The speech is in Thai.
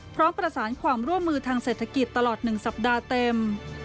พร้อมประสานความร่วมมือทางเศรษฐกิจตลอด๑สัปดาห์เต็ม